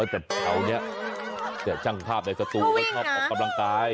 แต่เท้านี้แต่ช่างภาพในสตูก็ชอบออกกำลังกาย